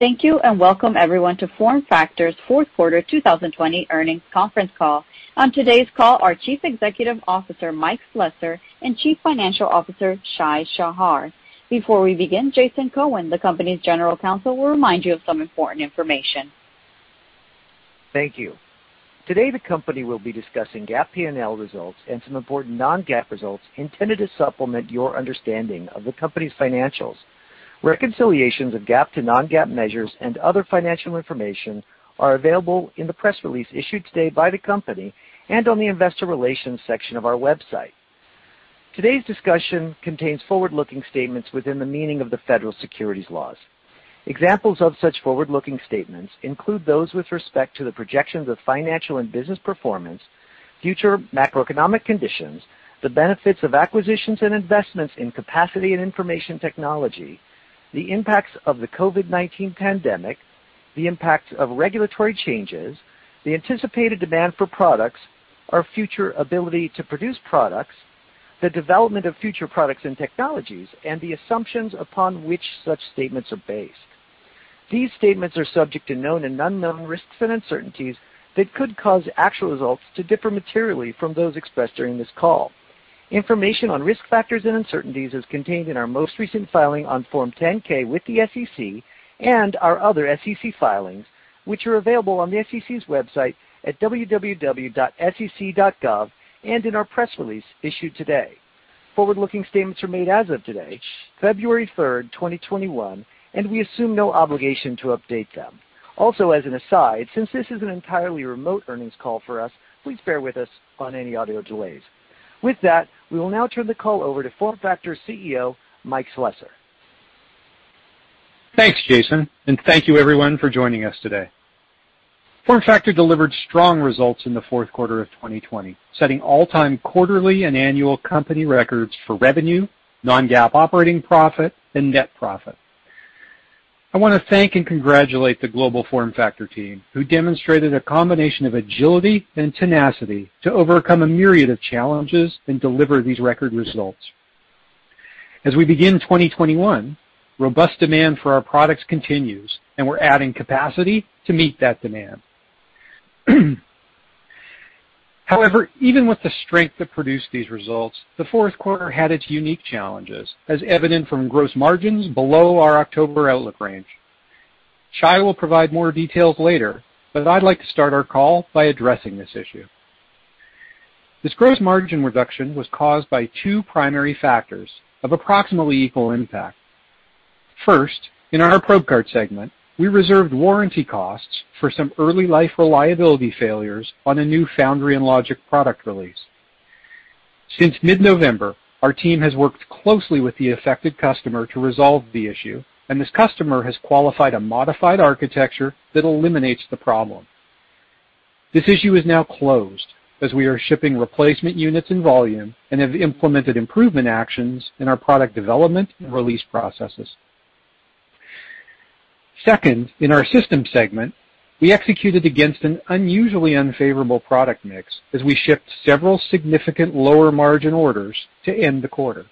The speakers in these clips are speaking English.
Thank you, and welcome, everyone, to FormFactor's fourth quarter 2020 earnings conference call. On today's call are Chief Executive Officer, Mike Slessor, and Chief Financial Officer, Shai Shahar. Before we begin, Jason Cohen, the company's General Counsel, will remind you of some important information. Thank you. Today, the company will be discussing GAAP P&L results and some important non-GAAP results intended to supplement your understanding of the company's financials. Reconciliations of GAAP to non-GAAP measures and other financial information are available in the press release issued today by the company and on the Investor Relations section of our website. Today's discussion contains forward-looking statements within the meaning of the federal securities laws. Examples of such forward-looking statements include those with respect to the projections of financial and business performance, future macroeconomic conditions, the benefits of acquisitions and investments in capacity and information technology, the impacts of the COVID-19 pandemic, the impacts of regulatory changes, the anticipated demand for products, our future ability to produce products, the development of future products and technologies, and the assumptions upon which such statements are based. These statements are subject to known and unknown risks and uncertainties that could cause actual results to differ materially from those expressed during this call. Information on risk factors and uncertainties is contained in our most recent filing on Form 10-K with the SEC and our other SEC filings, which are available on the SEC's website at www.sec.gov and in our press release issued today. Forward-looking statements are made as of today, February 3rd, 2021. We assume no obligation to update them. As an aside, since this is an entirely remote earnings call for us, please bear with us on any audio delays. We will now turn the call over to FormFactor CEO, Mike Slessor. Thanks, Jason, and thank you, everyone, for joining us today. FormFactor delivered strong results in the fourth quarter of 2020, setting all-time quarterly and annual company records for revenue, non-GAAP operating profit, and net profit. I want to thank and congratulate the global FormFactor team, who demonstrated a combination of agility and tenacity to overcome a myriad of challenges and deliver these record results. As we begin 2021, robust demand for our products continues, and we're adding capacity to meet that demand. Even with the strength that produced these results, the fourth quarter had its unique challenges, as evident from gross margins below our October outlook range. Shai will provide more details later. I'd like to start our call by addressing this issue. This gross margin reduction was caused by two primary factors of approximately equal impact. First, in our probe card segment, we reserved warranty costs for some early life reliability failures on a new foundry and logic product release. Since mid-November, our team has worked closely with the affected customer to resolve the issue, and this customer has qualified a modified architecture that eliminates the problem. This issue is now closed, as we are shipping replacement units in volume and have implemented improvement actions in our product development and release processes. Second, in our system segment, we executed against an unusually unfavorable product mix as we shipped several significant lower-margin orders to end the quarter.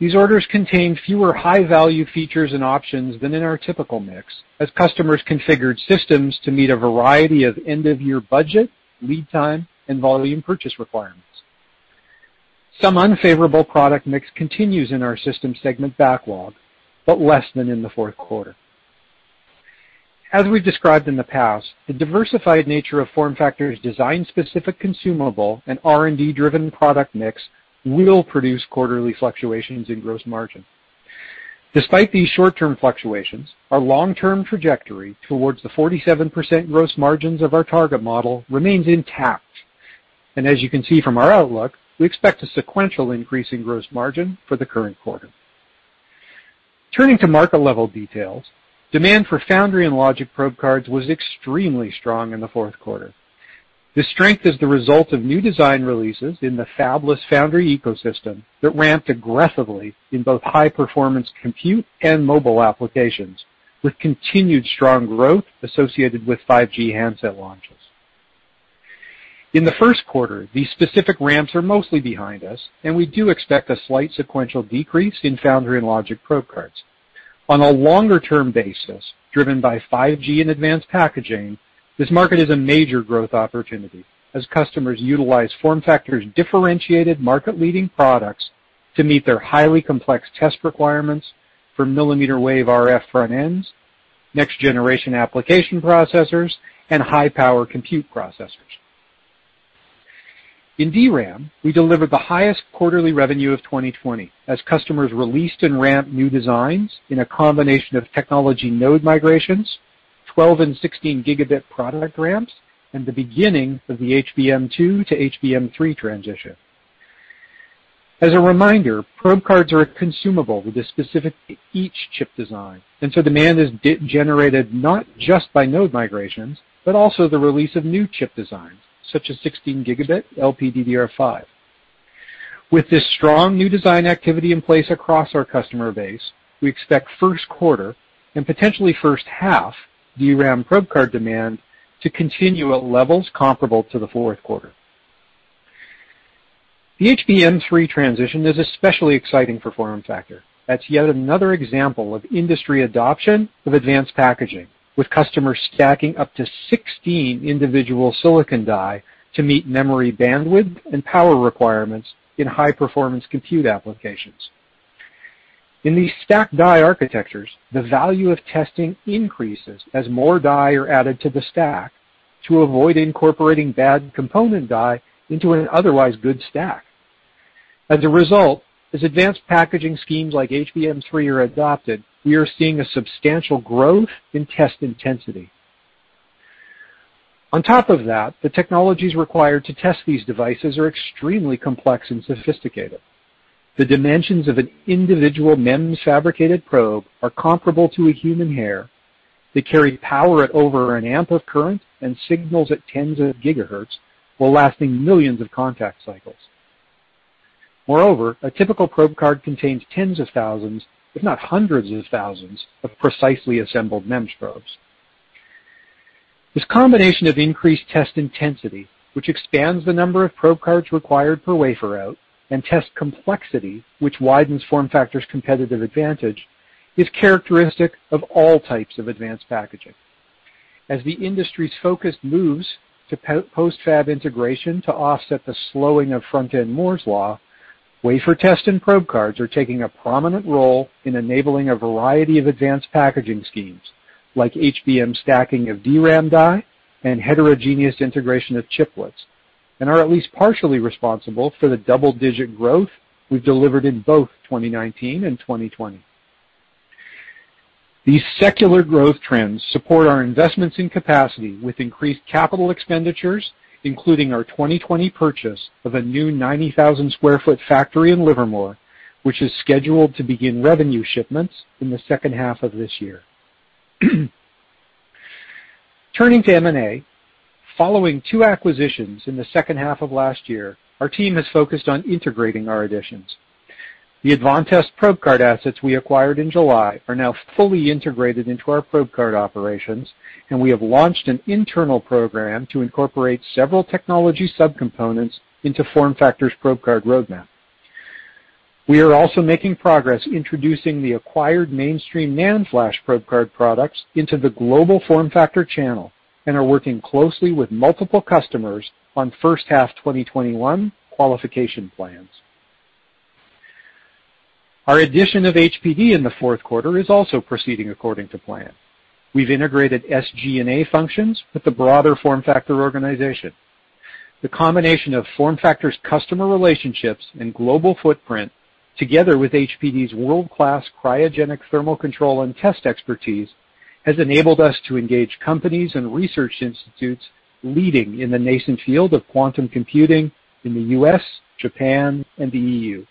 These orders contained fewer high-value features and options than in our typical mix, as customers configured systems to meet a variety of end-of-year budget, lead time, and volume purchase requirements. Some unfavorable product mix continues in our system segment backlog, but less than in the fourth quarter. As we've described in the past, the diversified nature of FormFactor's design-specific consumable and R&D-driven product mix will produce quarterly fluctuations in gross margin. Despite these short-term fluctuations, our long-term trajectory towards the 47% gross margins of our target model remains intact. As you can see from our outlook, we expect a sequential increase in gross margin for the current quarter. Turning to market level details, demand for foundry and logic probe cards was extremely strong in the fourth quarter. This strength is the result of new design releases in the fabless foundry ecosystem that ramped aggressively in both high-performance compute and mobile applications, with continued strong growth associated with 5G handset launches. In the first quarter, these specific ramps are mostly behind us, and we do expect a slight sequential decrease in foundry and logic probe cards. On a longer-term basis, driven by 5G and advanced packaging, this market is a major growth opportunity as customers utilize FormFactor's differentiated market-leading products to meet their highly complex test requirements for millimeter wave RF front ends, next-generation application processors, and high-power compute processors. In DRAM, we delivered the highest quarterly revenue of 2020 as customers released and ramped new designs in a combination of technology node migrations, 12 and 16 Gb product ramps, and the beginning of the HBM2 to HBM3 transition. As a reminder, probe cards are a consumable specific to each chip design, and so demand is generated not just by node migrations, but also the release of new chip designs, such as 16 Gb LPDDR5. With this strong new design activity in place across our customer base, we expect first quarter, and potentially first half, DRAM probe card demand to continue at levels comparable to the fourth quarter. The HBM3 transition is especially exciting for FormFactor. That's yet another example of industry adoption of advanced packaging, with customers stacking up to 16 individual silicon die to meet memory bandwidth and power requirements in high-performance compute applications. In these stacked die architectures, the value of testing increases as more die are added to the stack to avoid incorporating bad component die into an otherwise good stack. As a result, as advanced packaging schemes like HBM3 are adopted, we are seeing a substantial growth in test intensity. On top of that, the technologies required to test these devices are extremely complex and sophisticated. The dimensions of an individual MEMS-fabricated probe are comparable to a human hair. They carry power at over an amp of current and signals at tens of gigahertz while lasting millions of contact cycles. Moreover, a typical probe card contains tens of thousands, if not hundreds of thousands, of precisely assembled MEMS probes. This combination of increased test intensity, which expands the number of probe cards required per wafer out, and test complexity, which widens FormFactor's competitive advantage, is characteristic of all types of advanced packaging. As the industry's focus moves to post-fab integration to offset the slowing of front-end Moore's Law, wafer test and probe cards are taking a prominent role in enabling a variety of advanced packaging schemes like HBM stacking of DRAM die and heterogeneous integration of chiplets, and are at least partially responsible for the double-digit growth we've delivered in both 2019 and 2020. These secular growth trends support our investments in capacity with increased capital expenditures, including our 2020 purchase of a new 90,000 sq ft factory in Livermore, which is scheduled to begin revenue shipments in the second half of this year. Turning to M&A, following two acquisitions in the second half of last year, our team has focused on integrating our additions. The Advantest probe card assets we acquired in July are now fully integrated into our probe card operations, and we have launched an internal program to incorporate several technology sub-components into FormFactor's probe card roadmap. We are also making progress introducing the acquired mainstream NAND flash probe card products into the global FormFactor channel and are working closely with multiple customers on first half 2021 qualification plans. Our addition of HPD in the fourth quarter is also proceeding according to plan. We've integrated SG&A functions with the broader FormFactor organization. The combination of FormFactor's customer relationships and global footprint, together with HPD's world-class cryogenic thermal control and test expertise, has enabled us to engage companies and research institutes leading in the nascent field of quantum computing in the U.S., Japan, and the EU.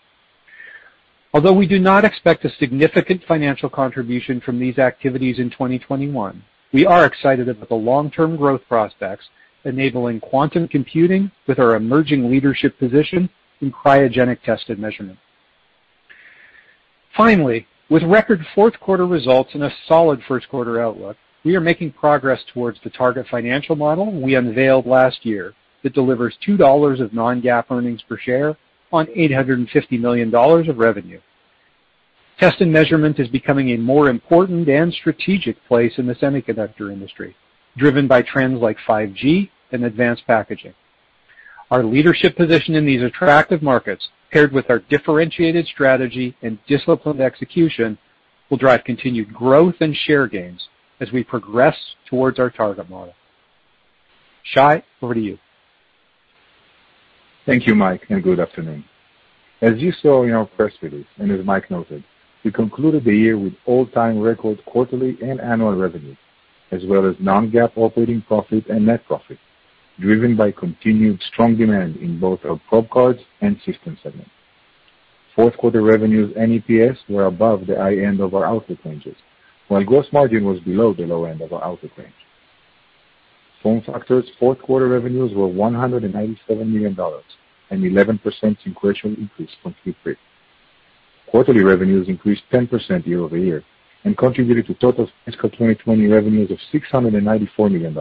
Although we do not expect a significant financial contribution from these activities in 2021, we are excited about the long-term growth prospects enabling quantum computing with our emerging leadership position in cryogenic test and measurement. Finally, with record fourth quarter results and a solid first quarter outlook, we are making progress towards the target financial model we unveiled last year that delivers $2 of non-GAAP earnings per share on $850 million of revenue. Test and measurement is becoming a more important and strategic place in the semiconductor industry, driven by trends like 5G and advanced packaging. Our leadership position in these attractive markets, paired with our differentiated strategy and disciplined execution, will drive continued growth and share gains as we progress towards our target model. Shai, over to you. Thank you, Mike, and good afternoon. As you saw in our press release, and as Mike noted, we concluded the year with all-time record quarterly and annual revenues, as well as non-GAAP operating profit and net profit, driven by continued strong demand in both our probe cards and system segments. Fourth quarter revenues and EPS were above the high end of our outlook ranges, while gross margin was below the low end of our outlook range. FormFactor's fourth quarter revenues were $197 million, an 11% sequential increase from Q3. Quarterly revenues increased 10% year-over-year and contributed to total fiscal 2020 revenues of $694 million,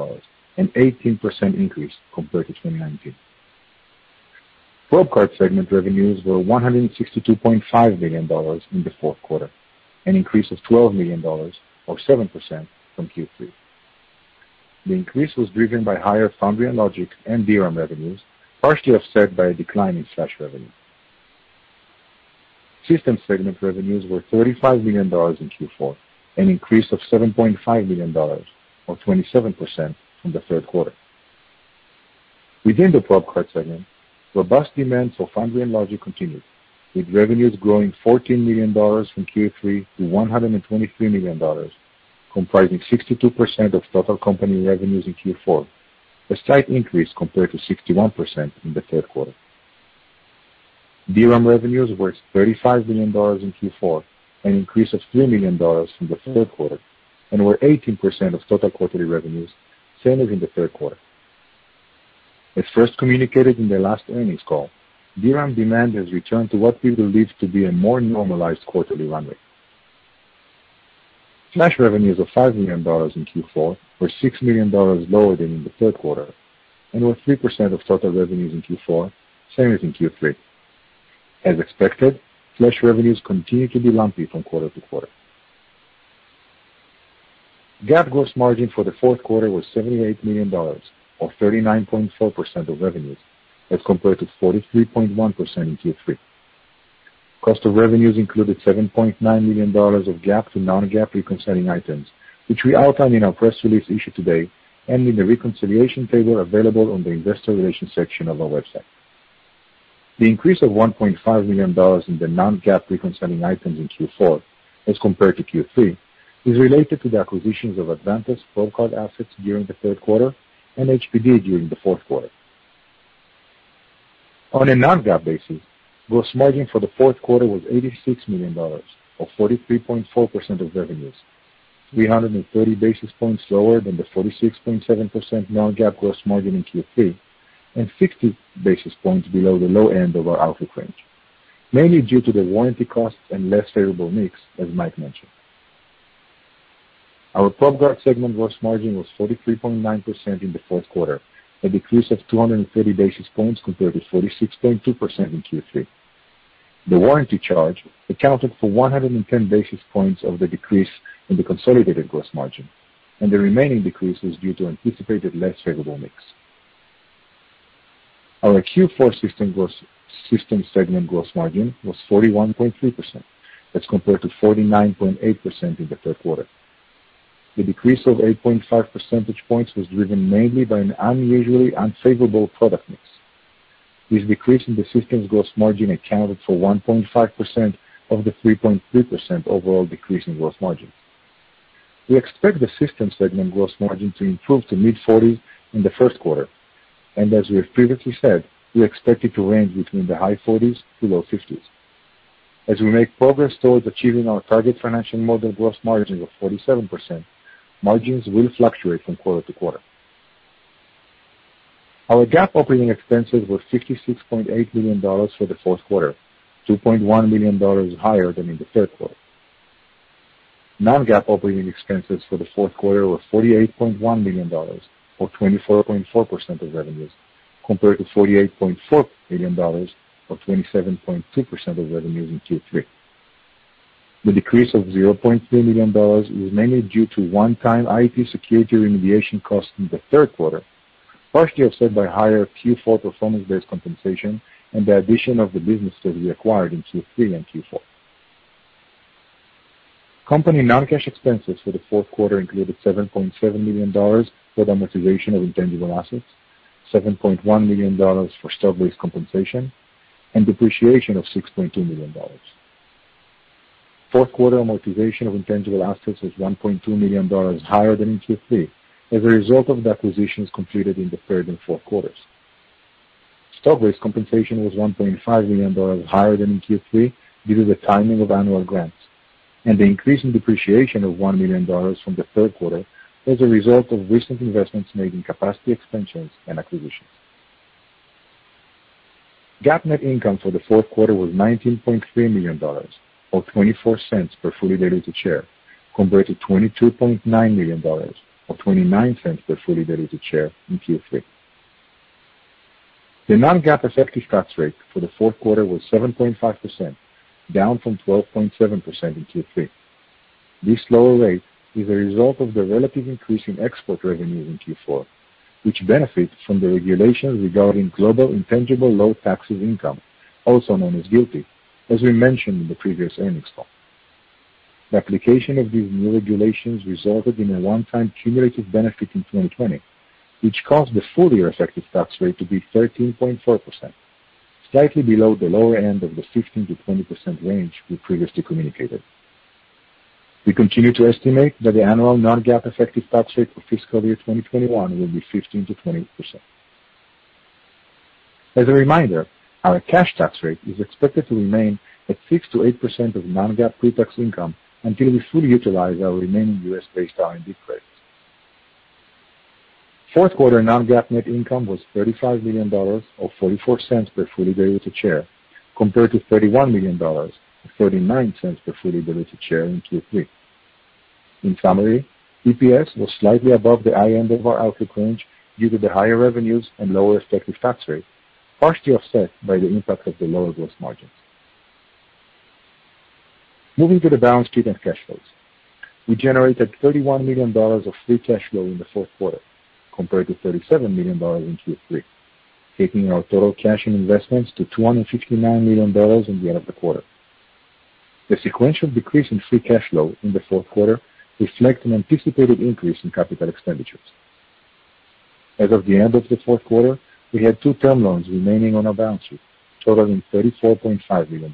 an 18% increase compared to 2019. probe card segment revenues were $162.5 million in the fourth quarter, an increase of $12 million, or 7%, from Q3. The increase was driven by higher foundry and logic and DRAM revenues, partially offset by a decline in flash revenue. System segment revenues were $35 million in Q4, an increase of $7.5 million, or 27%, from the third quarter. Within the probe card segment, robust demand for foundry and logic continued, with revenues growing $14 million from Q3 to $123 million, comprising 62% of total company revenues in Q4, a slight increase compared to 61% in the third quarter. DRAM revenues were $35 million in Q4, an increase of $3 million from the third quarter, and were 18% of total quarterly revenues, same as in the third quarter. As first communicated in the last earnings call, DRAM demand has returned to what we believe to be a more normalized quarterly run rate. Flash revenues of $5 million in Q4 were $6 million lower than in the third quarter and were 3% of total revenues in Q4, same as in Q3. As expected, flash revenues continue to be lumpy from quarter-to-quarter. GAAP gross margin for the fourth quarter was $78 million, or 39.4% of revenues, as compared to 43.1% in Q3. Cost of revenues included $7.9 million of GAAP to non-GAAP reconciling items, which we outlined in our press release issued today and in the reconciliation table available on the Investor Relations section of our website. The increase of $1.5 million in the non-GAAP reconciling items in Q4 as compared to Q3 is related to the acquisitions of Advantest probe card assets during the third quarter and HPD during the fourth quarter. On a non-GAAP basis, gross margin for the fourth quarter was $86 million, or 43.4% of revenues, 330 basis points lower than the 46.7% non-GAAP gross margin in Q3 and 60 basis points below the low end of our outlook range, mainly due to the warranty costs and less favorable mix, as Mike mentioned. Our probe card segment gross margin was 43.9% in the fourth quarter, a decrease of 230 basis points compared to 46.2% in Q3. The warranty charge accounted for 110 basis points of the decrease in the consolidated gross margin, and the remaining decrease was due to anticipated less favorable mix. Our Q4 systems segment gross margin was 41.3%, as compared to 49.8% in the third quarter. The decrease of 8.5 percentage points was driven mainly by an unusually unfavorable product mix. This decrease in the systems gross margin accounted for 1.5% of the 3.3% overall decrease in gross margin. We expect the systems segment gross margin to improve to mid-40s in the first quarter. As we have previously said, we expect it to range between the high 40s to low 50s. As we make progress towards achieving our target financial model gross margin of 47%, margins will fluctuate from quarter-to-quarter. Our GAAP operating expenses were $56.8 million for the fourth quarter, $2.1 million higher than in the third quarter. Non-GAAP operating expenses for the fourth quarter were $48.1 million, or 24.4% of revenues, compared to $48.4 million, or 27.2% of revenues in Q3. The decrease of $0.3 million was mainly due to one-time IT security remediation costs in the third quarter, partially offset by higher Q4 performance-based compensation and the addition of the businesses we acquired in Q3 and Q4. Company non-cash expenses for the fourth quarter included $7.7 million for the amortization of intangible assets, $7.1 million for stock-based compensation, and depreciation of $6.2 million. Fourth quarter amortization of intangible assets was $1.2 million higher than in Q3 as a result of the acquisitions completed in the third and fourth quarters. Stock-based compensation was $1.5 million higher than in Q3 due to the timing of annual grants, and the increase in depreciation of $1 million from the third quarter was a result of recent investments made in capacity expansions and acquisitions. GAAP net income for the fourth quarter was $19.3 million, or $0.24 per fully diluted share, compared to $22.9 million or $0.29 per fully diluted share in Q3. The non-GAAP effective tax rate for the fourth quarter was 7.5%, down from 12.7% in Q3. This lower rate is a result of the relative increase in export revenues in Q4, which benefit from the regulations regarding global intangible low-taxed income, also known as GILTI, as we mentioned in the previous earnings call. The application of these new regulations resulted in a one-time cumulative benefit in 2020, which caused the full-year effective tax rate to be 13.4%, slightly below the lower end of the 15%-20% range we previously communicated. We continue to estimate that the annual non-GAAP effective tax rate for fiscal year 2021 will be 15%-20%. As a reminder, our cash tax rate is expected to remain at 6%-8% of non-GAAP pretax income until we fully utilize our remaining U.S.-based R&D credits. Fourth quarter non-GAAP net income was $35 million, or $0.44 per fully diluted share, compared to $31 million or $0.39 per fully diluted share in Q3. In summary, EPS was slightly above the high end of our outlook range due to the higher revenues and lower effective tax rate, partially offset by the impact of the lower gross margins. Moving to the balance sheet and cash flows. We generated $31 million of free cash flow in the fourth quarter, compared to $37 million in Q3, taking our total cash and investments to $259 million in the end of the quarter. The sequential decrease in free cash flow in the fourth quarter reflects an anticipated increase in capital expenditures. As of the end of the fourth quarter, we had two term loans remaining on our balance sheet, totaling $34.5 million.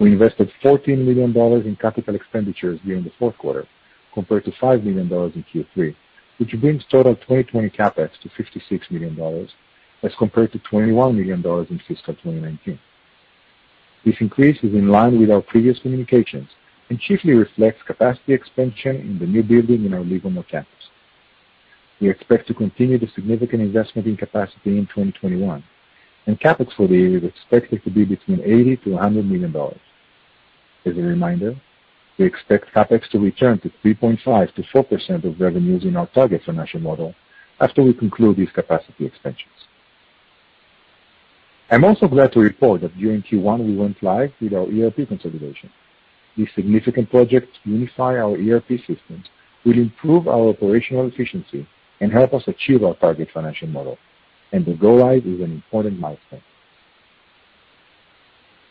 We invested $14 million in capital expenditures during the fourth quarter, compared to $5 million in Q3, which brings total 2020 CapEx to $56 million as compared to $21 million in fiscal 2019. This increase is in line with our previous communications and chiefly reflects capacity expansion in the new building in our Livermore campus. We expect to continue the significant investment in capacity in 2021, and CapEx for the year is expected to be between $80 million-$100 million. As a reminder, we expect CapEx to return to 3.5%-4% of revenues in our target financial model after we conclude these capacity expansions. I'm also glad to report that during Q1 we went live with our ERP consolidation. This significant project to unify our ERP systems will improve our operational efficiency and help us achieve our target financial model, the go-live is an important milestone.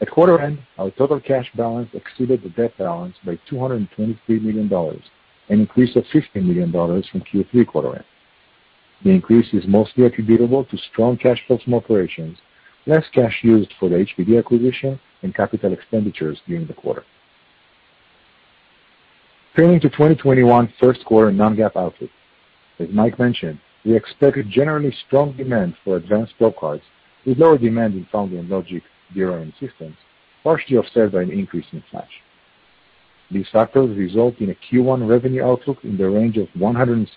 At quarter end, our total cash balance exceeded the debt balance by $223 million, an increase of $15 million from Q3 quarter end. The increase is mostly attributable to strong cash flows from operations, less cash used for the HPD acquisition, and capital expenditures during the quarter. Turning to 2021 first quarter non-GAAP outlook. As Mike mentioned, we expect generally strong demand for advanced probe cards, with lower demand in foundry and logic DRAM systems, partially offset by an increase in flash. These factors result in a Q1 revenue outlook in the range of $176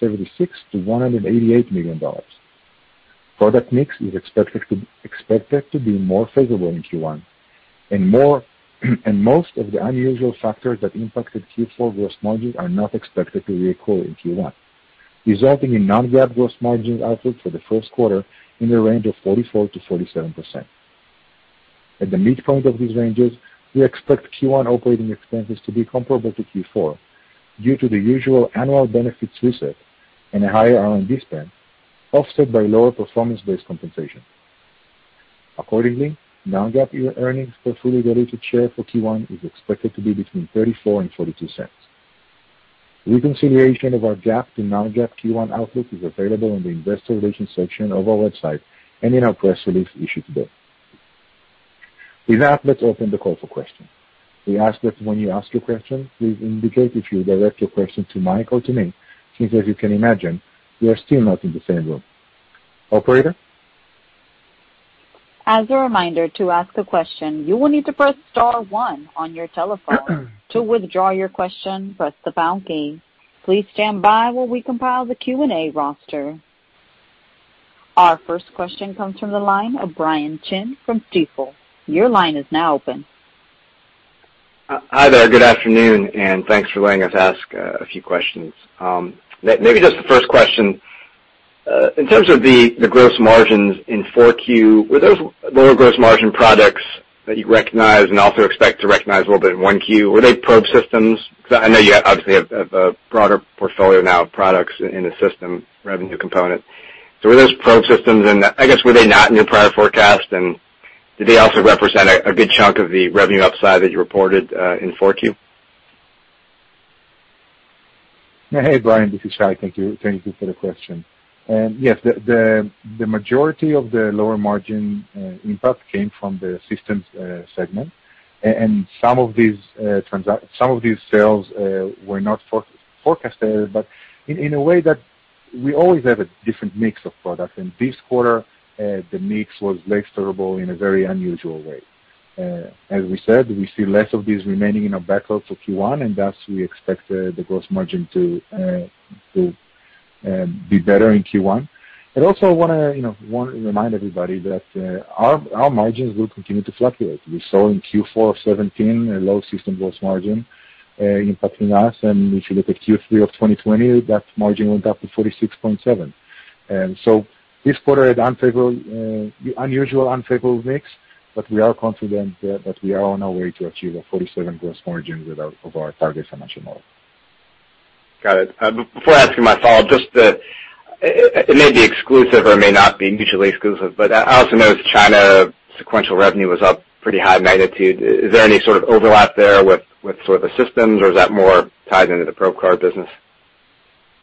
million-$188 million. Product mix is expected to be more favorable in Q1, and most of the unusual factors that impacted Q4 gross margins are not expected to reoccur in Q1, resulting in non-GAAP gross margin outlook for the first quarter in the range of 44%-47%. At the midpoint of these ranges, we expect Q1 operating expenses to be comparable to Q4 due to the usual annual benefits reset and a higher R&D spend, offset by lower performance-based compensation. Accordingly, non-GAAP earnings per fully diluted share for Q1 is expected to be between $0.34 and $0.42. Reconciliation of our GAAP to non-GAAP Q1 outlook is available on the Investor Relations section of our website and in our press release issued today. With that, let's open the call for questions. We ask that when you ask your question, please indicate if you direct your question to Mike or to me, since, as you can imagine, we are still not in the same room. Operator? As a reminder, to ask a question, you will need to press star one on your telephone. To withdraw your question, press the pound key. Please stand by while we compile the Q&A roster. Our first question comes from the line of Brian Chin from Stifel. Your line is now open. Hi there. Good afternoon. Thanks for letting us ask a few questions. Maybe just the first question. In terms of the gross margins in 4Q, were those lower gross margin products that you recognize and also expect to recognize a little bit in 1Q, were they probe systems? I know you obviously have a broader portfolio now of products in the system revenue component. Were those probe systems, and I guess were they not in your prior forecast, and did they also represent a good chunk of the revenue upside that you reported in 4Q? Hey, Brian. This is Shai. Thank you for the question. Yes, the majority of the lower margin impact came from the systems segment. Some of these sales were not forecasted, but in a way that we always have a different mix of products. This quarter, the mix was less favorable in a very unusual way. As we said, we see less of these remaining in our backlog for Q1. Thus, we expect the gross margin to be better in Q1. I also want to remind everybody that our margins will continue to fluctuate. We saw in Q4 of 2017 a low system gross margin impacting us. If you look at Q3 of 2020, that margin went up to 46.7%. This quarter had unusual unfavorable mix, but we are confident that we are on our way to achieve a 47% gross margin of our target financial model. Got it. Before I ask you my follow-up, it may be exclusive or it may not be mutually exclusive, but I also noticed China sequential revenue was up pretty high magnitude. Is there any sort of overlap there with the systems, or is that more tied into the probe card business?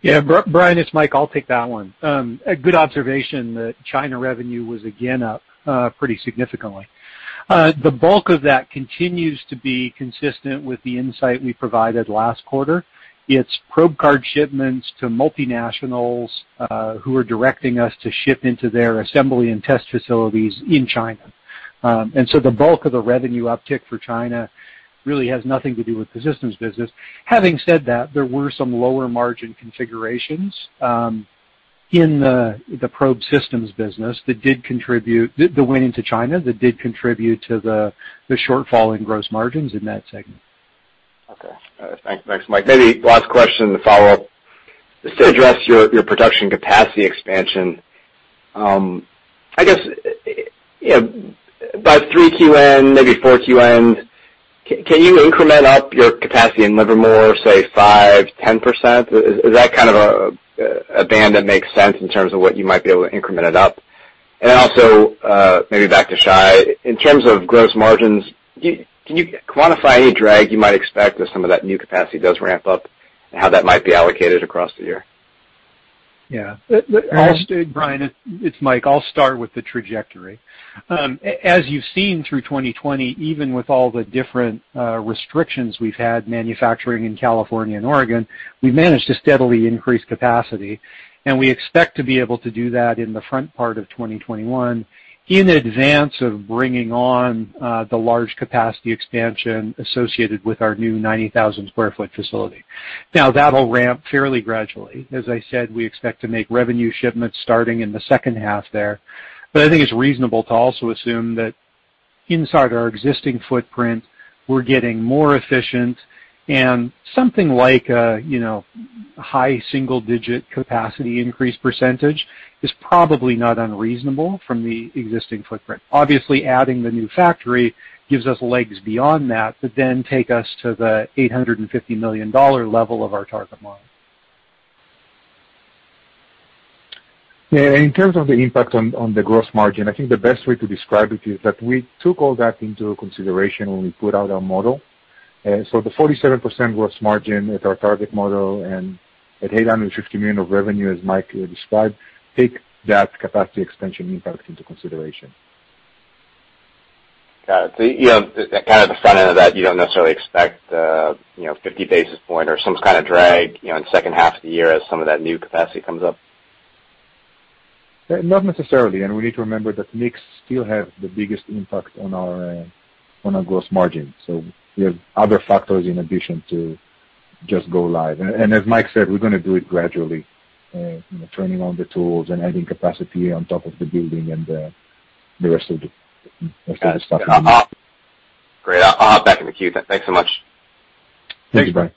Yeah, Brian, it's Mike. I'll take that one. A good observation that China revenue was again up pretty significantly. The bulk of that continues to be consistent with the insight we provided last quarter. It's probe card shipments to multinationals who are directing us to ship into their assembly and test facilities in China. The bulk of the revenue uptick for China really has nothing to do with the systems business. Having said that, there were some lower margin configurations in the probe systems business that did contribute the win into China, that did contribute to the shortfall in gross margins in that segment. Thanks, Mike. Maybe last question to follow up. Just to address your production capacity expansion, I guess, by 3Q-end, maybe 4Q-end, can you increment up your capacity in Livermore, say, 5%-10%? Is that kind of a band that makes sense in terms of what you might be able to increment it up? Also, maybe back to Shai, in terms of gross margins, can you quantify any drag you might expect as some of that new capacity does ramp up, and how that might be allocated across the year? Yeah. Brian, it's Mike. I'll start with the trajectory. As you've seen through 2020, even with all the different restrictions we've had manufacturing in California and Oregon, we've managed to steadily increase capacity, and we expect to be able to do that in the front part of 2021 in advance of bringing on the large capacity expansion associated with our new 90,000 sq ft facility. Now that'll ramp fairly gradually. As I said, we expect to make revenue shipments starting in the second half there. I think it's reasonable to also assume that inside our existing footprint, we're getting more efficient and something like a high single-digit capacity increase percentage is probably not unreasonable from the existing footprint. Obviously, adding the new factory gives us legs beyond that, to then take us to the $850 million level of our target model. In terms of the impact on the gross margin, I think the best way to describe it is that we took all that into consideration when we put out our model. The 47% gross margin at our target model and at $850 million of revenue, as Mike described, take that capacity expansion impact into consideration. Got it. Kind of the front end of that, you don't necessarily expect 50 basis points or some kind of drag in the second half of the year as some of that new capacity comes up? Not necessarily. We need to remember that mix still have the biggest impact on our gross margin. We have other factors in addition to just go live. As Mike said, we're going to do it gradually, turning on the tools and adding capacity on top of the building and the rest of the stuff. Got it. Great. I'll hop back in the queue. Thanks so much. Thanks, Brian.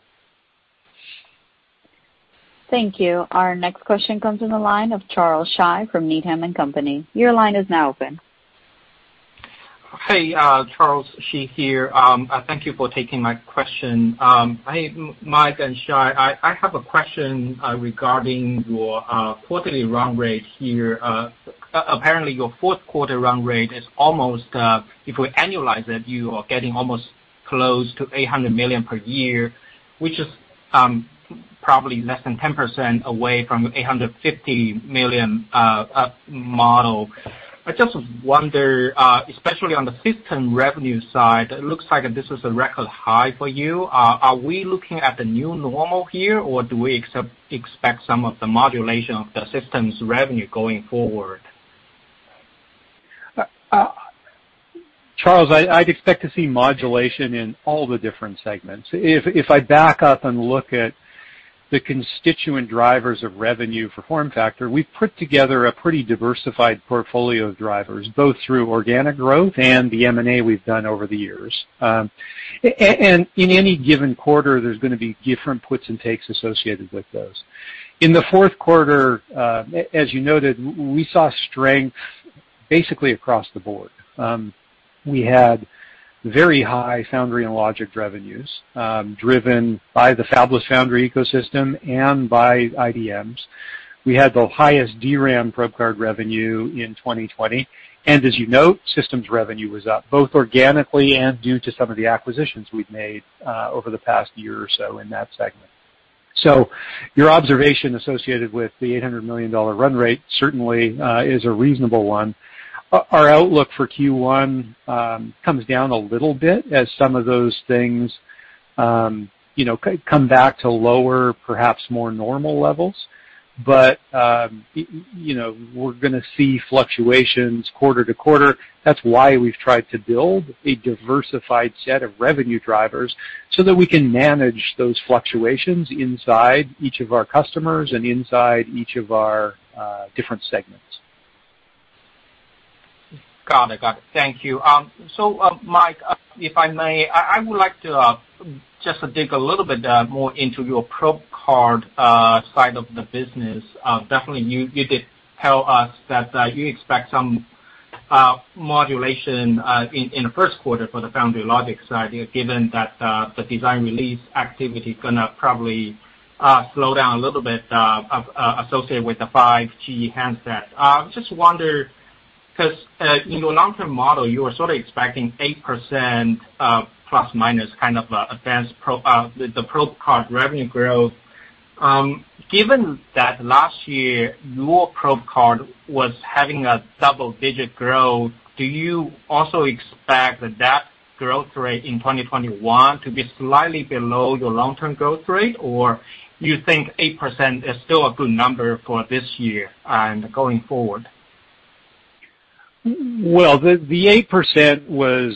Thank you. Our next question comes in the line of Charles Shi from Needham & Company. Your line is now open. Hey, Charles Shi here. Thank you for taking my question. Hey, Mike and Shai, I have a question regarding your quarterly run rate here. Apparently, your fourth quarter run rate is almost, if we annualize it, you are getting almost close to $800 million per year, which is probably less than 10% away from $850 million model. I just wonder, especially on the system revenue side, it looks like this is a record high for you. Are we looking at the new normal here, or do we expect some of the modulation of the systems revenue going forward? Charles, I'd expect to see modulation in all the different segments. If I back up and look at the constituent drivers of revenue for FormFactor, we've put together a pretty diversified portfolio of drivers, both through organic growth and the M&A we've done over the years. In any given quarter, there's going to be different puts and takes associated with those. In the fourth quarter, as you noted, we saw strength basically across the board. We had very high foundry and logic revenues, driven by the fabless foundry ecosystem and by IDMs. We had the highest DRAM probe card revenue in 2020. As you note, systems revenue was up, both organically and due to some of the acquisitions we've made over the past year or so in that segment. Your observation associated with the $800 million run rate certainly is a reasonable one. Our outlook for Q1 comes down a little bit as some of those things come back to lower, perhaps more normal levels. We're going to see fluctuations quarter-to-quarter. That's why we've tried to build a diversified set of revenue drivers so that we can manage those fluctuations inside each of our customers and inside each of our different segments. Got it. Thank you. Mike, if I may, I would like to just dig a little bit more into your probe card side of the business. Definitely you did tell us that you expect some modulation in the first quarter for the foundry logic side, given that the design release activity is going to probably slow down a little bit associated with the 5G handset. I just wonder because in your long-term model, you are sort of expecting 8%± kind of the probe card revenue growth. Given that last year your probe card was having a double-digit growth, do you also expect that growth rate in 2021 to be slightly below your long-term growth rate? Or you think 8% is still a good number for this year and going forward? Well, the 8% was,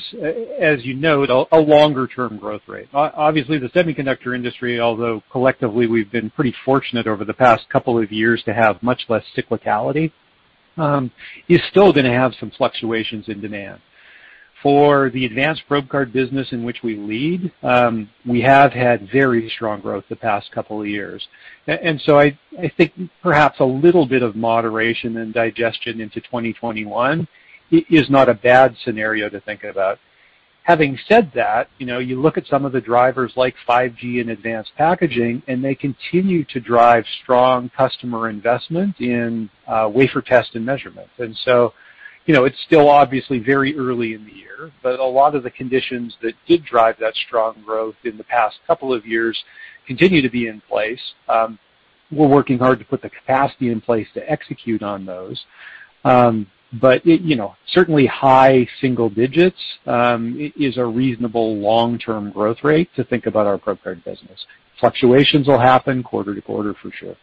as you know, a longer-term growth rate. Obviously, the semiconductor industry, although collectively we've been pretty fortunate over the past couple of years to have much less cyclicality, is still going to have some fluctuations in demand. For the advanced probe card business in which we lead, we have had very strong growth the past couple of years. I think perhaps a little bit of moderation and digestion into 2021 is not a bad scenario to think about. Having said that, you look at some of the drivers like 5G and advanced packaging, and they continue to drive strong customer investment in wafer test and measurement. It's still obviously very early in the year, but a lot of the conditions that did drive that strong growth in the past couple of years continue to be in place. We're working hard to put the capacity in place to execute on those. Certainly high single digits is a reasonable long-term growth rate to think about our probe card business. Fluctuations will happen quarter-to-quarter, for sure.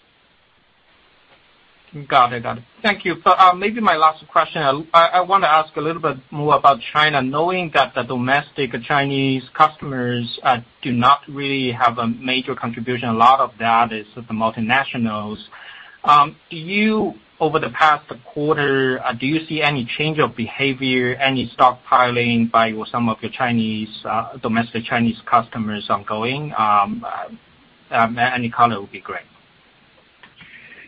Got it. Thank you. Maybe my last question, I want to ask a little bit more about China. Knowing that the domestic Chinese customers do not really have a major contribution, a lot of that is the multinationals. Do you, over the past quarter, do you see any change of behavior, any stockpiling by some of your domestic Chinese customers ongoing? Any comment would be great.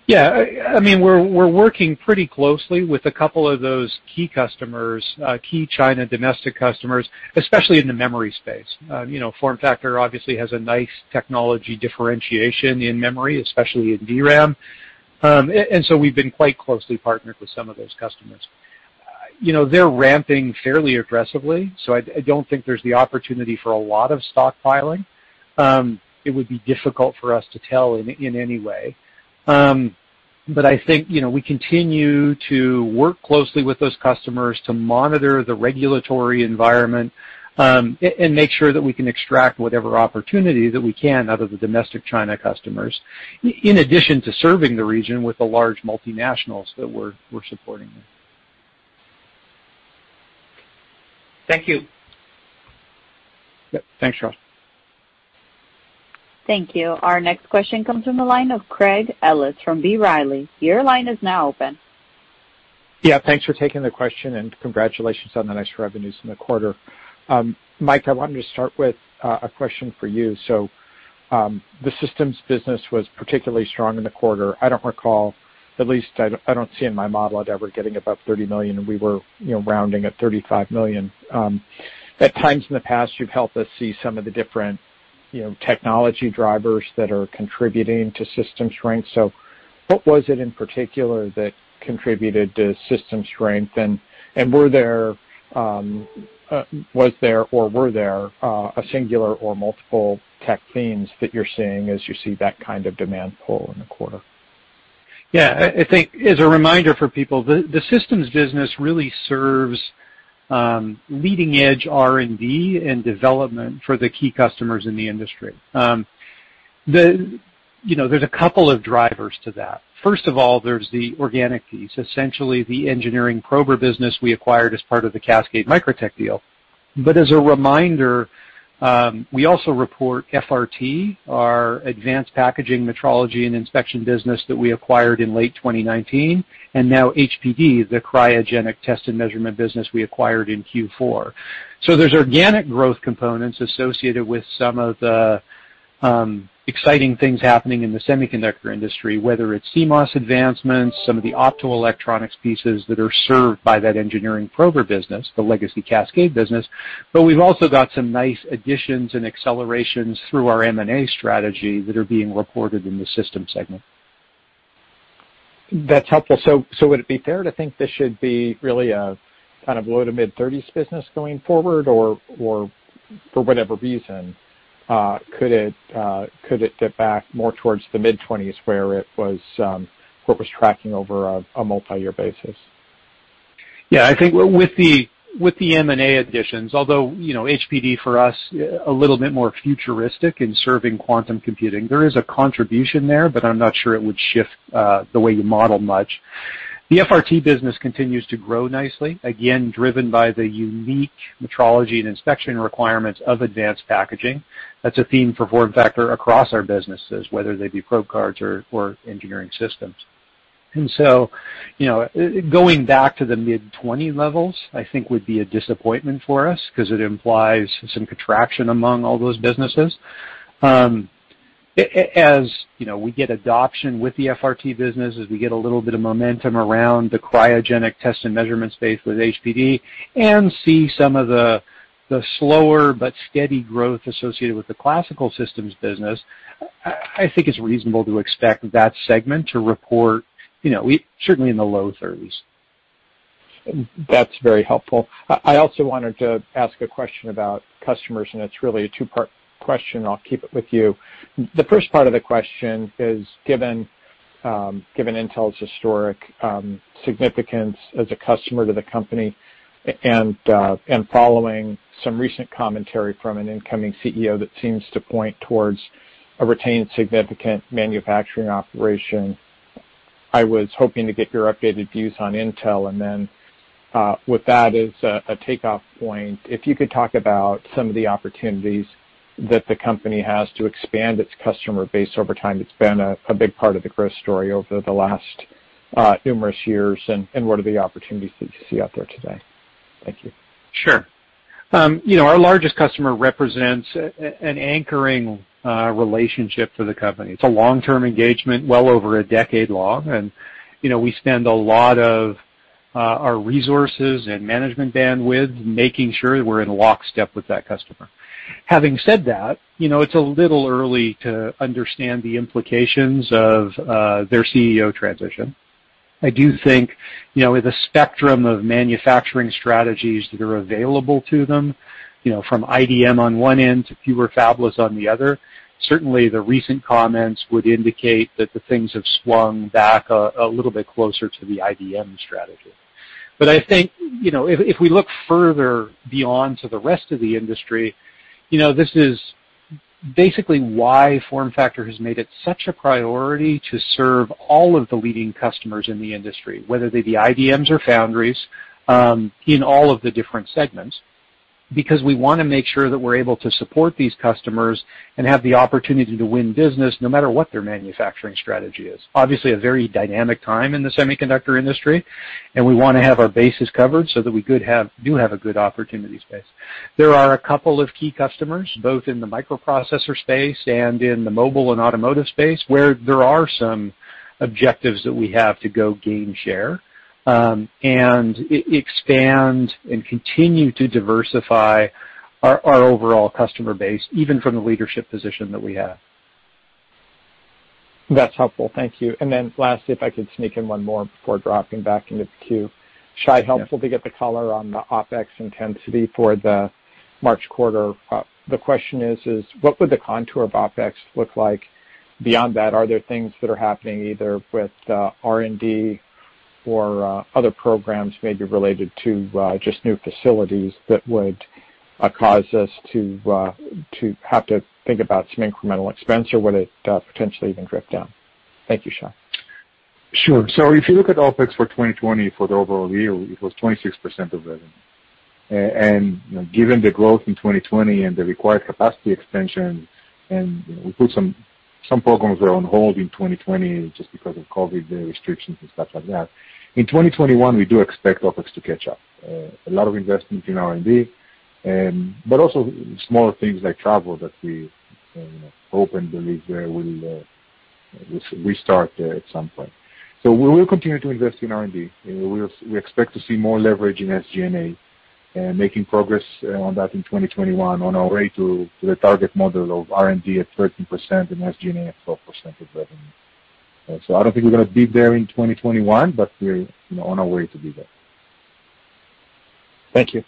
Yeah. We're working pretty closely with a couple of those key customers, key China domestic customers, especially in the memory space. FormFactor obviously has a nice technology differentiation in memory, especially in DRAM. We've been quite closely partnered with some of those customers. They're ramping fairly aggressively, so I don't think there's the opportunity for a lot of stockpiling. It would be difficult for us to tell in any way. I think, we continue to work closely with those customers to monitor the regulatory environment, and make sure that we can extract whatever opportunity that we can out of the domestic China customers, in addition to serving the region with the large multinationals that we're supporting there. Thank you. Yep. Thanks, Charles. Thank you. Our next question comes from the line of Craig Ellis from B. Riley. Your line is now open. Yeah. Thanks for taking the question, and congratulations on the nice revenues in the quarter. Mike, I wanted to start with a question for you. The systems business was particularly strong in the quarter. I don't recall, at least I don't see in my model it ever getting above $30 million, and we were rounding at $35 million. At times in the past, you've helped us see some of the different technology drivers that are contributing to systems strength. What was it in particular that contributed to systems strength, and was there, or were there, a singular or multiple tech themes that you're seeing as you see that kind of demand pull in the quarter? Yeah. I think as a reminder for people, the systems business really serves leading-edge R&D and development for the key customers in the industry. There's a couple of drivers to that. First of all, there's the organic piece, essentially the engineering prober business we acquired as part of the Cascade Microtech deal. As a reminder, we also report FRT, our advanced packaging metrology and inspection business that we acquired in late 2019, and now HPD, the cryogenic test and measurement business we acquired in Q4. There's organic growth components associated with some of the exciting things happening in the semiconductor industry, whether it's CMOS advancements, some of the optoelectronics pieces that are served by that engineering prober business, the legacy Cascade business. We've also got some nice additions and accelerations through our M&A strategy that are being reported in the system segment. That's helpful. Would it be fair to think this should be really a kind of low- to mid-30s business going forward, or for whatever reason, could it dip back more towards the mid-20s where it was tracking over a multi-year basis? I think with the M&A additions, although HPD for us, a little bit more futuristic in serving quantum computing. There is a contribution there, but I'm not sure it would shift the way you model much. The FRT business continues to grow nicely, again, driven by the unique metrology and inspection requirements of advanced packaging. That's a theme for FormFactor across our businesses, whether they be probe cards or engineering systems. Going back to the mid-20 levels, I think would be a disappointment for us because it implies some contraction among all those businesses. As we get adoption with the FRT business, as we get a little bit of momentum around the cryogenic test and measurement space with HPD and see some of the slower but steady growth associated with the classical systems business, I think it's reasonable to expect that segment to report certainly in the low 30s. That's very helpful. I also wanted to ask a question about customers. It's really a two-part question. I'll keep it with you. The first part of the question is, given Intel's historic significance as a customer to the company and following some recent commentary from an incoming CEO that seems to point towards a retained significant manufacturing operation, I was hoping to get your updated views on Intel. With that as a takeoff point, if you could talk about some of the opportunities that the company has to expand its customer base over time. It's been a big part of the growth story over the last numerous years. What are the opportunities that you see out there today? Thank you. Sure. Our largest customer represents an anchoring relationship for the company. It's a long-term engagement, well over a decade long, we spend a lot of our resources and management bandwidth making sure that we're in lockstep with that customer. Having said that, it's a little early to understand the implications of their CEO transition. I do think, with a spectrum of manufacturing strategies that are available to them, from IDM on one end to fewer fabless on the other, certainly the recent comments would indicate that the things have swung back a little bit closer to the IDM strategy. I think, if we look further beyond to the rest of the industry, this is basically why FormFactor has made it such a priority to serve all of the leading customers in the industry, whether they be IDMs or foundries, in all of the different segments, because we want to make sure that we're able to support these customers and have the opportunity to win business no matter what their manufacturing strategy is. Obviously, a very dynamic time in the semiconductor industry, and we want to have our bases covered so that we do have a good opportunity space. There are a couple of key customers, both in the microprocessor space and in the mobile and automotive space, where there are some objectives that we have to go gain share, and expand and continue to diversify our overall customer base, even from the leadership position that we have. That's helpful. Thank you. Then lastly, if I could sneak in one more before dropping back into the queue. Shai, helpful to get the color on the OpEx intensity for the March quarter. The question is: what would the contour of OpEx look like beyond that? Are there things that are happening either with R&D or other programs maybe related to just new facilities that would cause us to have to think about some incremental expense, or would it potentially even drift down? Thank you, Shai. Sure. If you look at OpEx for 2020 for the overall year, it was 26% of revenue. Given the growth in 2020 and the required capacity expansion, and we put some programs that are on hold in 2020 just because of COVID, the restrictions and stuff like that, in 2021, we do expect OpEx to catch up. A lot of investments in R&D, but also smaller things like travel that we hope and believe will restart at some point. We will continue to invest in R&D, and we expect to see more leverage in SG&A and making progress on that in 2021 on our way to the target model of R&D at 13% and SG&A at 12% of revenue. I don't think we're going to be there in 2021, but we're on our way to be there. Thank you.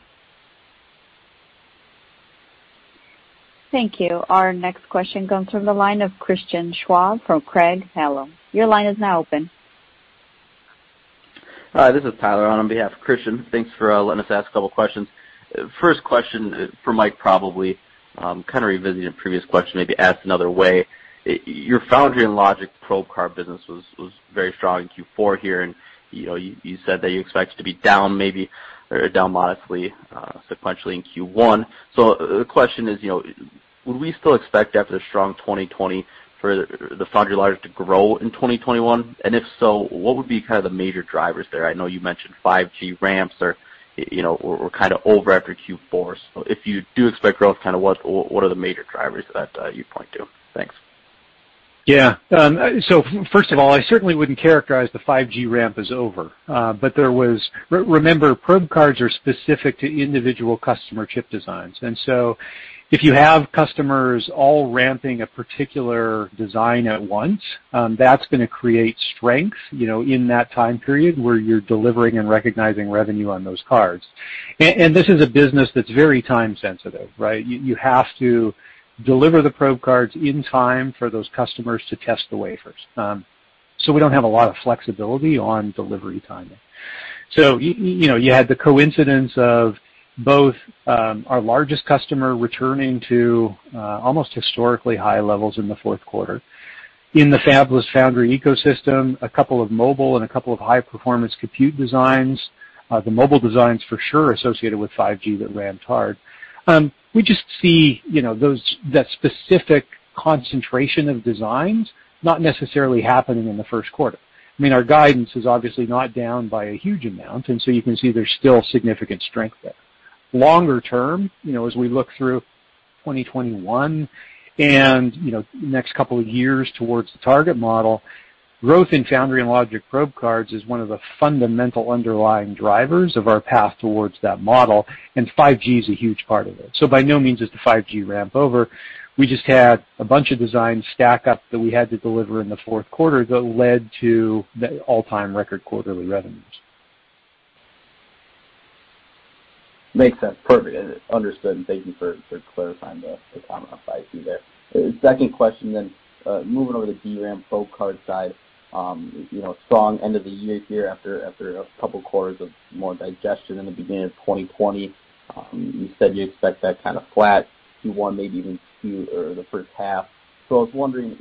Thank you. Our next question comes from the line of Christian Schwab from Craig-Hallum. Your line is now open. Hi, this is Tyler on behalf of Christian. Thanks for letting us ask a couple questions. First question is for Mike, probably, kind of revisiting a previous question, maybe asked another way. Your foundry and logic probe card business was very strong in Q4 here, and you said that you expect it to be down maybe, or down modestly sequentially in Q1. The question is, would we still expect after the strong 2020 for the foundry and logic to grow in 2021? If so, what would be kind of the major drivers there? I know you mentioned 5G ramps are kind of over after Q4. If you do expect growth, what are the major drivers that you'd point to? Thanks. First of all, I certainly wouldn't characterize the 5G ramp as over. Remember, probe cards are specific to individual customer chip designs. If you have customers all ramping a particular design at once, that's going to create strength, in that time period where you're delivering and recognizing revenue on those cards. This is a business that's very time-sensitive, right? You have to deliver the probe cards in time for those customers to test the wafers. We don't have a lot of flexibility on delivery timing. You had the coincidence of both our largest customer returning to almost historically high levels in the fourth quarter. In the fabless foundry ecosystem, a couple of mobile and a couple of high-performance compute designs, the mobile designs for sure associated with 5G that ramped hard. We just see that specific concentration of designs not necessarily happening in the first quarter. I mean, our guidance is obviously not down by a huge amount, and so you can see there's still significant strength there. Longer term, as we look through 2021 and next couple of years towards the target model, growth in foundry and logic probe cards is one of the fundamental underlying drivers of our path towards that model, and 5G is a huge part of it. By no means is the 5G ramp over. We just had a bunch of designs stack up that we had to deliver in the fourth quarter that led to the all-time record quarterly revenues. Makes sense. Perfect. Understood, thank you for clarifying the comment on 5G there. Second question. Moving over to DRAM probe card side. Strong end of the year here after a couple quarters of more digestion in the beginning of 2020. You said you expect that kind of flat Q1, maybe even the first half. I was wondering,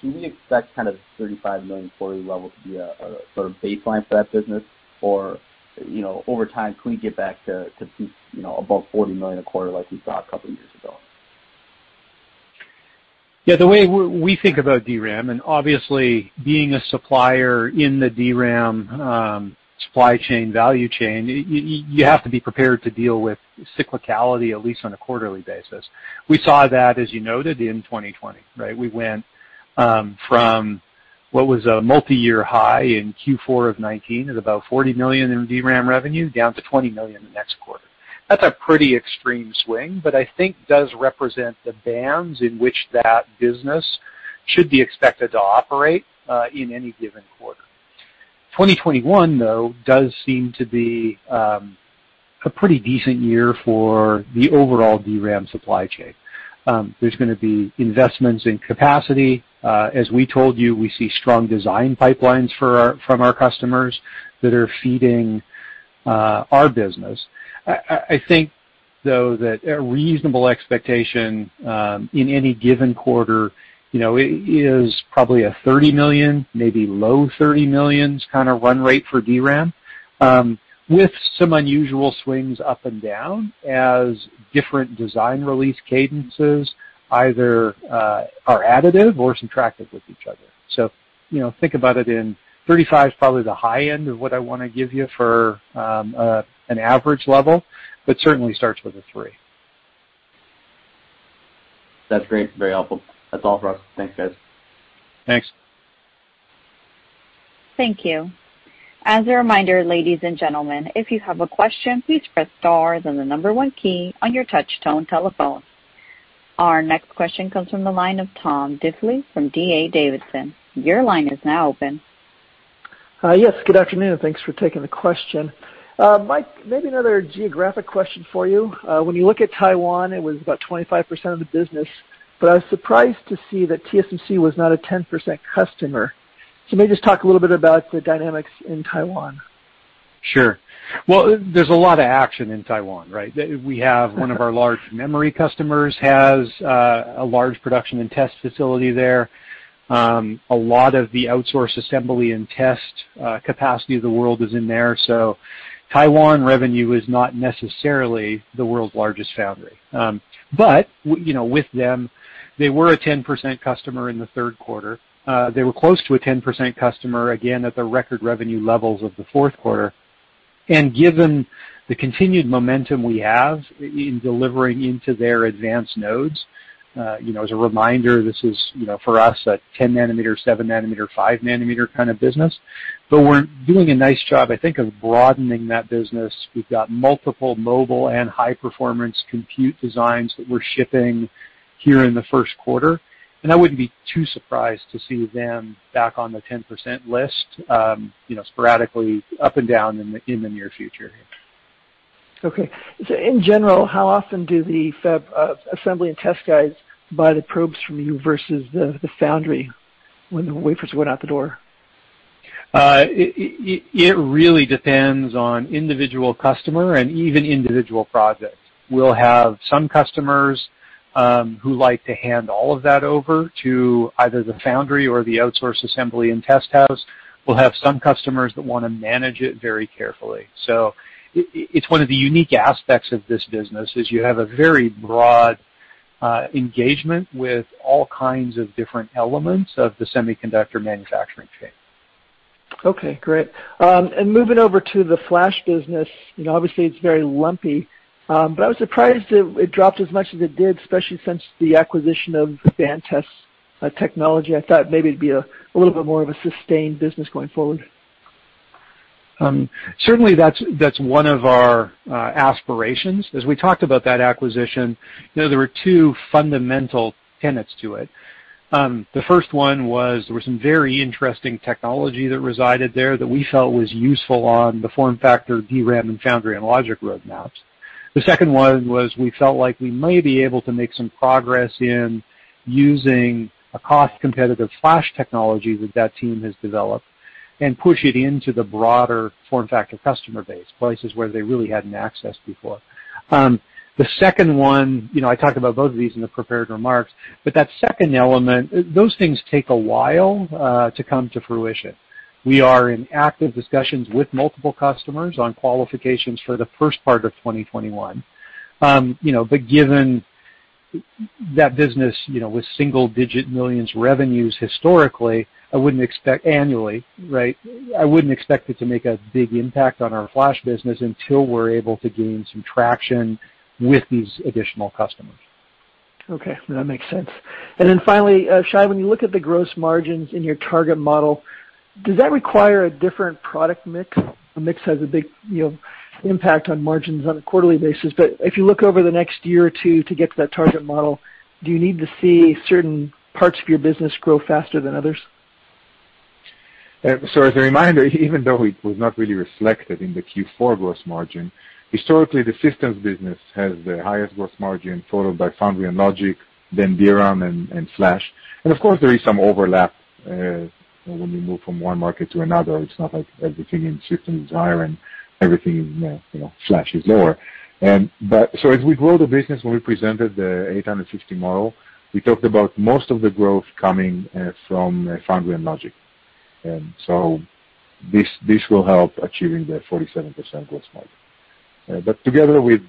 can we expect kind of $35 million quarterly level to be a sort of baseline for that business? Over time, can we get back to peaks above $40 million a quarter like we saw a couple years ago? The way we think about DRAM, obviously being a supplier in the DRAM supply chain, value chain, you have to be prepared to deal with cyclicality at least on a quarterly basis. We saw that, as you noted, in 2020, right? We went from what was a multi-year high in Q4 of 2019 at about $40 million in DRAM revenue, down to $20 million the next quarter. That's a pretty extreme swing, I think does represent the bands in which that business should be expected to operate, in any given quarter. 2021, though, does seem to be a pretty decent year for the overall DRAM supply chain. There's going to be investments in capacity. As we told you, we see strong design pipelines from our customers that are feeding our business. I think, though, that a reasonable expectation in any given quarter is probably a $30 million, maybe low $30 millions kind of run rate for DRAM, with some unusual swings up and down as different design release cadences either are additive or subtractive with each other. Think about it in $35 million is probably the high end of what I want to give you for an average level, certainly starts with a three. That's great. Very helpful. That's all for us. Thanks, guys. Thanks. Thank you. As a reminder, ladies and gentlemen, if you have a question, please press star, then the number one key on your touch-tone telephone. Our next question comes from the line of Tom Diffely from D.A. Davidson. Your line is now open. Yes. Good afternoon. Thanks for taking the question. Mike, maybe another geographic question for you. When you look at Taiwan, it was about 25% of the business, I was surprised to see that TSMC was not a 10% customer. Maybe just talk a little bit about the dynamics in Taiwan. Well, there's a lot of action in Taiwan, right? We have one of our large memory customers has a large production and test facility there. A lot of the outsource assembly and test capacity of the world is in there. Taiwan revenue is not necessarily the world's largest foundry. With them, they were a 10% customer in the third quarter. They were close to a 10% customer, again, at the record revenue levels of the fourth quarter. Given the continued momentum we have in delivering into their advanced nodes, as a reminder, this is for us, a 10 nm, 7 nm, 5 nm kind of business. We're doing a nice job, I think, of broadening that business. We've got multiple mobile and high performance compute designs that we're shipping here in the first quarter. I wouldn't be too surprised to see them back on the 10% list sporadically up and down in the near future. Okay. In general, how often do the fab assembly and test guys buy the probes from you versus the foundry when the wafers went out the door? It really depends on individual customer and even individual projects. We'll have some customers who like to hand all of that over to either the foundry or the outsource assembly and test house. We'll have some customers that want to manage it very carefully. It's one of the unique aspects of this business, is you have a very broad engagement with all kinds of different elements of the semiconductor manufacturing chain. Okay, great. Moving over to the flash business, obviously it's very lumpy. I was surprised it dropped as much as it did, especially since the acquisition of Advantest technology. I thought maybe it'd be a little bit more of a sustained business going forward. Certainly that's one of our aspirations. That acquisition, there were two fundamental tenets to it. The first one was there was some very interesting technology that resided there that we felt was useful on the FormFactor DRAM and foundry and logic roadmaps. The second one was we felt like we may be able to make some progress in using a cost-competitive flash technology that that team has developed and push it into the broader FormFactor customer base, places where they really hadn't access before. The second one, I talked about both of these in the prepared remarks, that second element, those things take a while to come to fruition. We are in active discussions with multiple customers on qualifications for the first part of 2021. Given that business with single-digit millions revenues historically, I wouldn't expect annually, right? I wouldn't expect it to make a big impact on our flash business until we're able to gain some traction with these additional customers. Okay. That makes sense. Finally, Shai, when you look at the gross margins in your target model, does that require a different product mix? A mix has a big impact on margins on a quarterly basis. If you look over the next year or two to get to that target model, do you need to see certain parts of your business grow faster than others? As a reminder, even though it was not really reflected in the Q4 gross margin, historically, the systems business has the highest gross margin, followed by foundry and logic, then DRAM and flash. Of course, there is some overlap when we move from one market to another. It's not like everything in systems is higher and everything in flash is lower. As we grow the business, when we presented the 850 model, we talked about most of the growth coming from foundry and logic. This will help achieving the 47% gross margin. Together with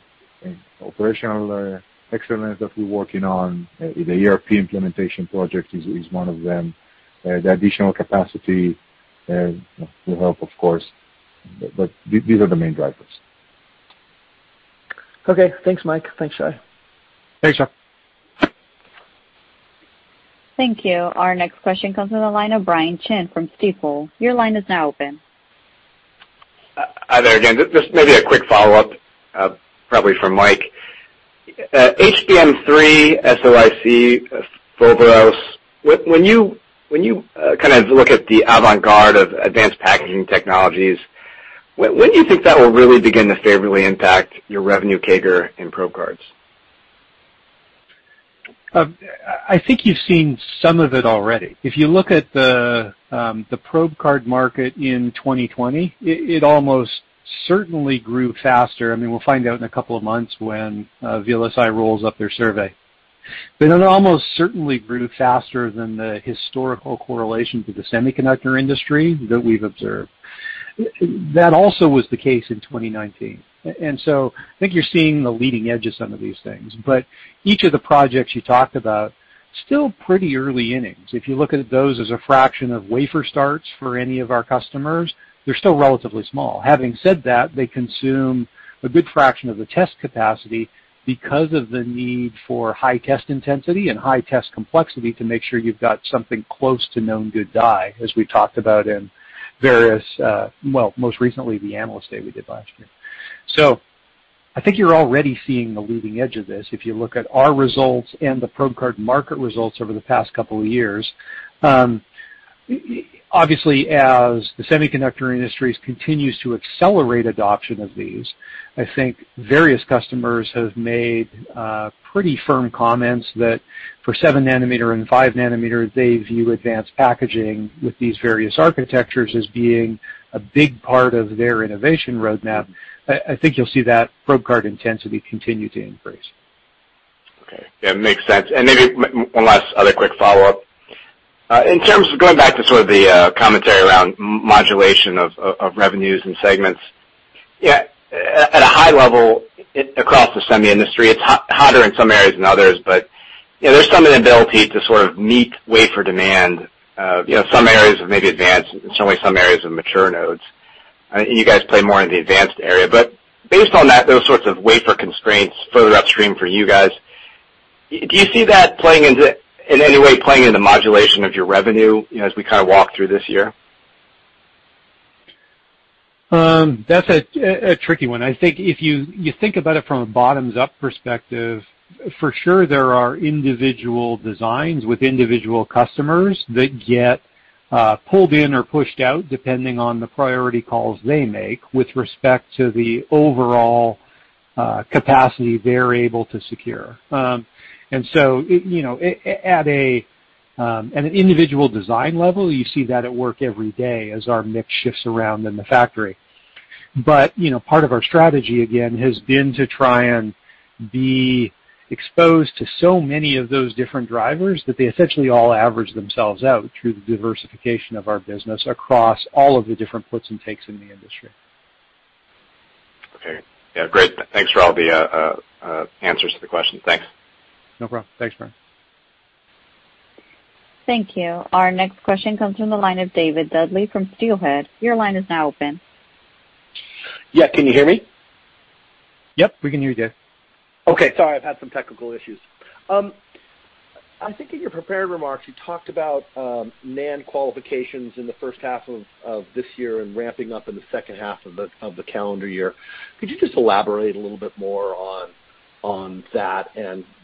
operational excellence that we're working on, the ERP implementation project is one of them. The additional capacity will help, of course, but these are the main drivers. Okay. Thanks, Mike. Thanks, Shai. Thanks, Tom. Thank you. Our next question comes from the line of Brian Chin from Stifel. Your line is now open. Hi there again. Maybe a quick follow-up, probably for Mike. HBM3, SoIC, Foveros, when you look at the avant-garde of advanced packaging technologies, when do you think that will really begin to favorably impact your revenue CAGR in probe cards? I think you've seen some of it already. If you look at the probe card market in 2020, it almost certainly grew faster. I mean, we'll find out in a couple of months when VLSI rolls up their survey. It almost certainly grew faster than the historical correlation to the semiconductor industry that we've observed. That also was the case in 2019. I think you're seeing the leading edge of some of these things. Each of the projects you talked about, still pretty early innings. If you look at those as a fraction of wafer starts for any of our customers, they're still relatively small. Having said that, they consume a good fraction of the test capacity because of the need for high test intensity and high test complexity to make sure you've got something close to known good die, as we talked about in various, well, most recently, the Analyst Day we did last year. I think you're already seeing the leading edge of this if you look at our results and the probe card market results over the past couple of years. Obviously, as the semiconductor industry continues to accelerate adoption of these, I think various customers have made pretty firm comments that for 7 nm and 5 nm, they view advanced packaging with these various architectures as being a big part of their innovation roadmap. I think you'll see that probe card intensity continue to increase. Okay. Yeah, makes sense. Maybe one last other quick follow-up. In terms of going back to sort of the commentary around modulation of revenues and segments, at a high level, across the semi industry, it's hotter in some areas than others, but there's some inability to sort of meet wafer demand. Some areas of maybe advanced, and certainly some areas of mature nodes. You guys play more in the advanced area. Based on those sorts of wafer constraints further upstream for you guys, do you see that in any way playing into modulation of your revenue, as we kind of walk through this year? That's a tricky one. I think if you think about it from a bottoms-up perspective, for sure there are individual designs with individual customers that get pulled in or pushed out, depending on the priority calls they make with respect to the overall capacity they're able to secure. At an individual design level, you see that at work every day as our mix shifts around in the factory. Part of our strategy, again, has been to try and be exposed to so many of those different drivers that they essentially all average themselves out through the diversification of our business across all of the different puts and takes in the industry. Okay. Yeah, great. Thanks for all the answers to the questions. Thanks. No problem. Thanks, Brian. Thank you. Our next question comes from the line of David Duley from Steelhead. Your line is now open. Yeah, can you hear me? Yep, we can hear you, David. Okay. Sorry, I've had some technical issues. I think in your prepared remarks, you talked about NAND qualifications in the first half of this year and ramping up in the second half of the calendar year. Could you just elaborate a little bit more on that?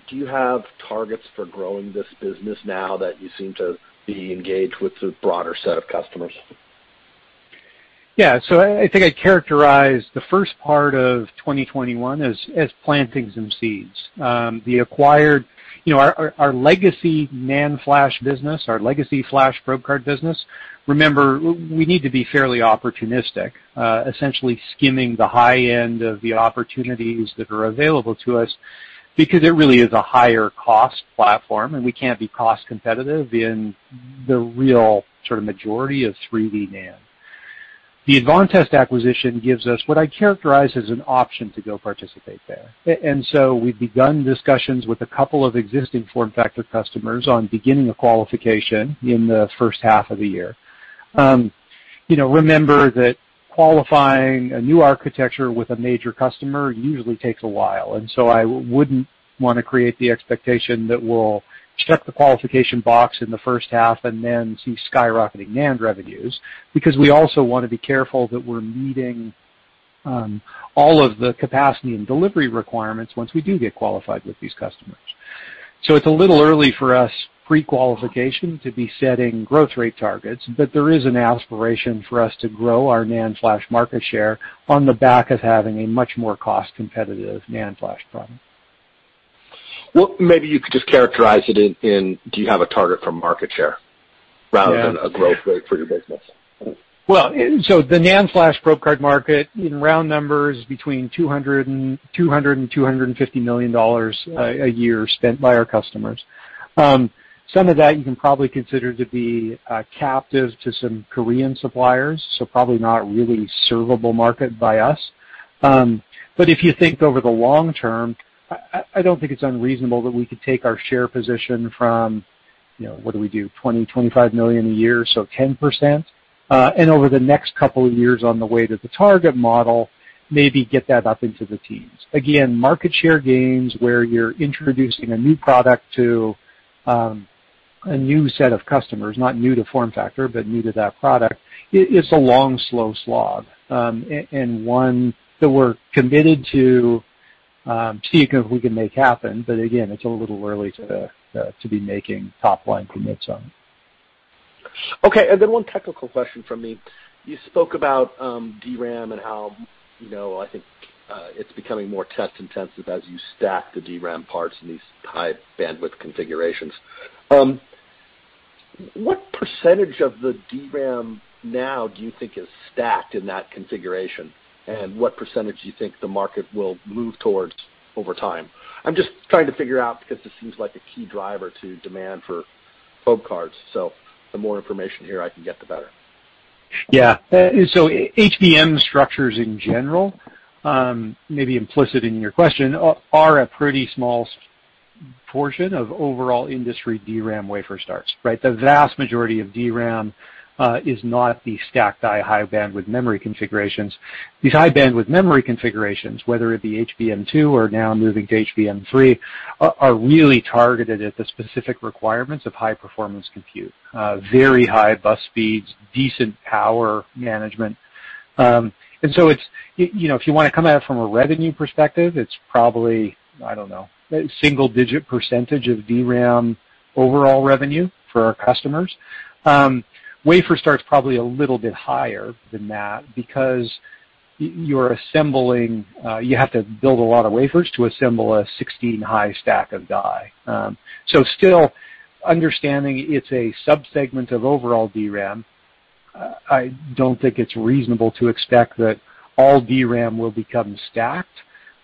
Do you have targets for growing this business now that you seem to be engaged with a broader set of customers? Yeah. I think I'd characterize the first part of 2021 as planting some seeds. Our legacy NAND flash business, our legacy flash probe card business, remember, we need to be fairly opportunistic, essentially skimming the high end of the opportunities that are available to us because it really is a higher-cost platform, and we can't be cost competitive in the real sort of majority of 3D NAND. The Advantest acquisition gives us what I'd characterize as an option to go participate there. We've begun discussions with a couple of existing FormFactor customers on beginning a qualification in the first half of the year. Remember that qualifying a new architecture with a major customer usually takes a while. I wouldn't want to create the expectation that we'll check the qualification box in the first half and then see skyrocketing NAND revenues, because we also want to be careful that we're meeting all of the capacity and delivery requirements once we do get qualified with these customers. It's a little early for us pre-qualification to be setting growth rate targets, but there is an aspiration for us to grow our NAND flash market share on the back of having a much more cost-competitive NAND flash product. Maybe you could just characterize it in, do you have a target for market share rather than a growth rate for your business? The NAND flash probe card market, in round numbers, between $200 million and $250 million a year spent by our customers. Some of that you can probably consider to be captive to some Korean suppliers, probably not really servable market by us. If you think over the long term, I don't think it's unreasonable that we could take our share position from, what do we do, $20 million-$25 million a year, 10%, and over the next couple of years on the way to the target model, maybe get that up into the teens. Again, market share gains where you're introducing a new product to a new set of customers, not new to FormFactor, but new to that product. It's a long, slow slog, one that we're committed to seeing if we can make happen. Again, it's a little early to be making top-line commits on. Okay, one technical question from me. You spoke about DRAM and how, I think, it's becoming more test intensive as you stack the DRAM parts in these high-bandwidth configurations. What percentage of the DRAM now do you think is stacked in that configuration, and what percentage do you think the market will move towards over time? I'm just trying to figure out, because this seems like a key driver to demand for probe cards, the more information here I can get, the better. Yeah. HBM structures in general, maybe implicit in your question, are a pretty small portion of overall industry DRAM wafer starts, right? The vast majority of DRAM is not the stacked die high-bandwidth memory configurations. These high-bandwidth memory configurations, whether it be HBM2 or now moving to HBM3, are really targeted at the specific requirements of high-performance compute. Very high bus speeds, decent power management. If you want to come at it from a revenue perspective, it's probably, I don't know, a single-digit percentage of DRAM overall revenue for our customers. Wafer start's probably a little bit higher than that, because you have to build a lot of wafers to assemble a 16 high stack of die. Still, understanding it's a sub-segment of overall DRAM, I don't think it's reasonable to expect that all DRAM will become stacked.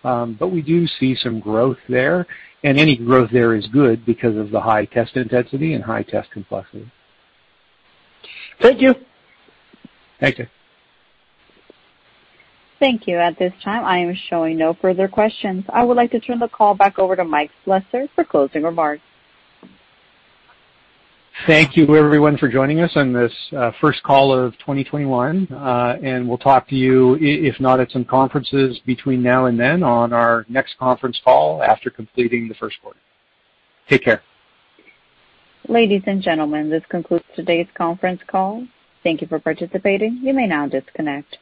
We do see some growth there, and any growth there is good because of the high test intensity and high test complexity. Thank you. Thank you. Thank you. At this time, I am showing no further questions. I would like to turn the call back over to Mike Slessor for closing remarks. Thank you, everyone, for joining us on this first call of 2021. We'll talk to you, if not at some conferences between now and then, on our next conference call after completing the first quarter. Take care. Ladies and gentlemen, this concludes today's conference call. Thank you for participating. You may now disconnect.